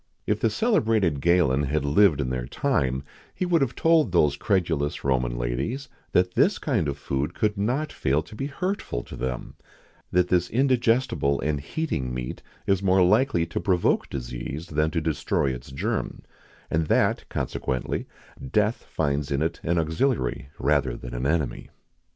[XIX 48] If the celebrated Galen had lived in their time, he would have told those credulous Roman ladies, that this kind of food could not fail to be hurtful to them; that this indigestible and heating meat is more likely to provoke disease than to destroy its germ; and that, consequently, death finds in it an auxiliary rather than an enemy.